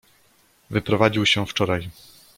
"Wyprowadził się wczoraj."